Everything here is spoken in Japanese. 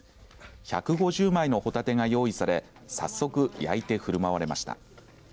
１５０枚のホタテが用意され早速、焼いてふるまわれました。